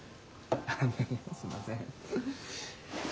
すいません。